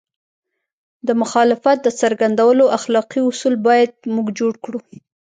د مخالفت د څرګندولو اخلاقي اصول باید موږ جوړ کړو.